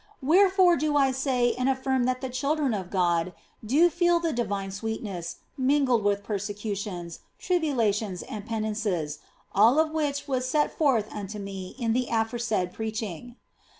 Wherefore do I say and affirm that the children of God do feel the divine sweetness mingled with persecutions, tribulations, and penances, all of which was set forth unto me in the afore said preaching.